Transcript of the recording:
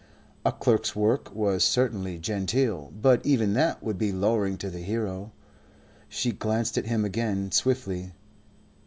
A clerk's work was certainly genteel; but even that would be lowering to the hero. She glanced at him again, swiftly.